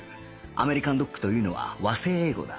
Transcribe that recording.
アメリカンドッグというのは和製英語だ